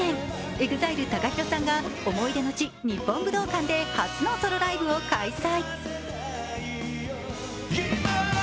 ＥＸＩＬＥＴＡＫＡＨＩＲＯさんが思い出の地・日本武道館で初のソロライブを開催。